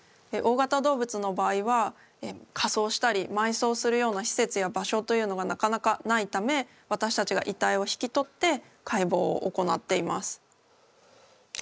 大型動物の場合は火葬したり埋葬するような施設や場所というのがなかなかないため私たちが遺体を引き取って解剖を行っています。